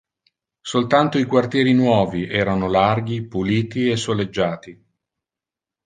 Soltanto i quartieri nuovi erano larghi, puliti e soleggiati.